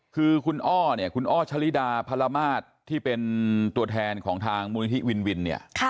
คือคุณอ้อเนี่ยคุณอ้อชะลิดาพรมาศที่เป็นตัวแทนของทางมูลนิธิวินวินเนี่ย